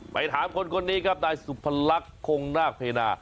ไปถามคนนี้ครับได้สุพลักษณ์คงน่าเผินา